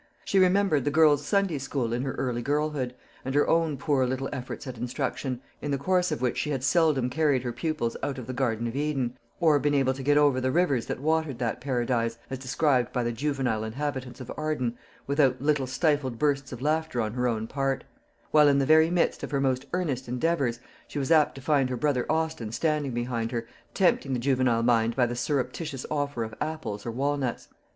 She remembered the girls' Sunday school in her early girlhood, and her own poor little efforts at instruction, in the course of which she had seldom carried her pupils out of the Garden of Eden, or been able to get over the rivers that watered that paradise, as described by the juvenile inhabitants of Arden, without little stifled bursts of laughter on her own part; while, in the very midst of her most earnest endeavours, she was apt to find her brother Austin standing behind her, tempting the juvenile mind by the surreptitious offer of apples or walnuts.